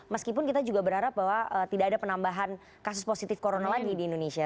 meskipun kita juga berharap bahwa tidak ada penambahan kasus positif corona lagi di indonesia